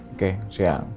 oke pak selamat siang